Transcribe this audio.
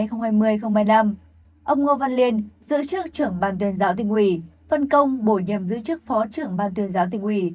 ông ngô văn liên giữ chức trưởng ban tuyên giáo tỉnh ủy phân công bổ nhiệm giữ chức phó trưởng ban tuyên giáo tỉnh ủy